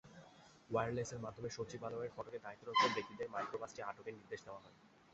ওয়্যারলেসের মাধ্যমে সচিবালয়ের ফটকে দায়িত্বরত ব্যক্তিদের মাইক্রোবাসটি আটকের নির্দেশ দেওয়া হয়।